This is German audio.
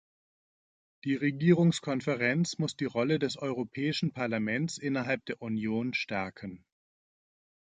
Die Regierungskonferenz muss die Rolle des Europäischen Parlaments innerhalb der Union stärken.